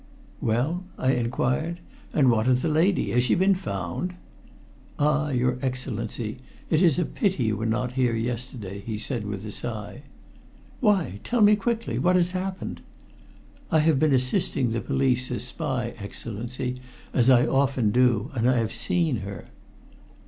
"Well?" I inquired. "And what of the lady? Has she been found?" "Ah! your Excellency. It is a pity you were not here yesterday," he said with a sigh. "Why? Tell me quickly. What has happened?" "I have been assisting the police as spy, Excellency, as I often do, and I have seen her."